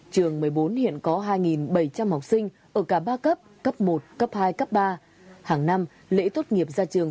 trường một mươi bốn hiện có hai bảy trăm linh học sinh ở cả ba cấp cấp một cấp hai cấp ba hàng năm lễ tốt nghiệp ra trường